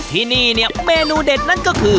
ที่นี่เนี่ยเมนูเด็ดนั่นก็คือ